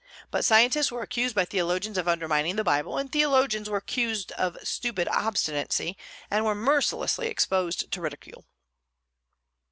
But scientists were accused by theologians of undermining the Bible; and the theologians were accused of stupid obstinacy, and were mercilessly exposed to ridicule.